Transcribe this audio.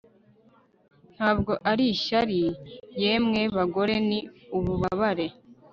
ntabwo ari ishyari, yemwe bagore! ni ububabare